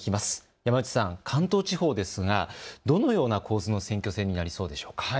山内さん、関東地方ですがどのような構図の選挙戦になりそうでしょうか。